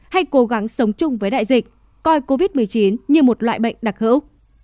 hay cố gắng sống chung với đại dịch covid một mươi chín như một loại bệnh đặc hữu